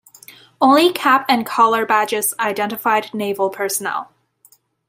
Only cap and collar badges identified "naval" personnel.